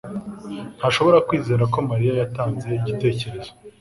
ntashobora kwizera ko Mariya yatanze igitekerezo.